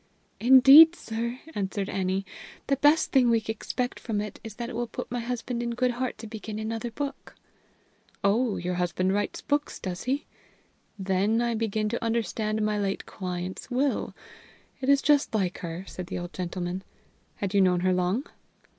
"Indeed, sir," answered Annie, "the best thing we expect from it is that it will put my husband in good heart to begin another book." "Oh! your husband writes books, does he? Then I begin to understand my late client's will. It is just like her," said the old gentleman. "Had you known her long?"